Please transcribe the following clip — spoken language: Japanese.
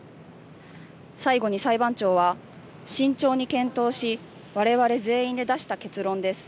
最後に裁判長は慎重に検討し、われわれ全員で出した結論です。